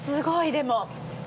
でも。